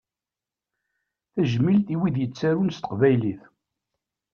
Tajmilt i wid yettarun s teqbaylit.